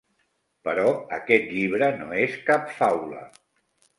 Però aquest llibre no és cap faula.